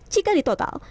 jika di total